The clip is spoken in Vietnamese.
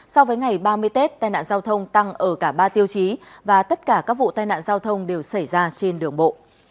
so với ngày ba mươi tết tai nạn giao thông tăng ở cả ba tiêu chí và tất cả các vụ tai nạn giao thông đều xảy ra trên đường bộ